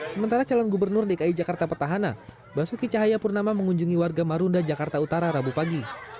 sementara calon gubernur dki jakarta petahana basuki cahaya purnama mengunjungi warga marunda jakarta utara rabu pagi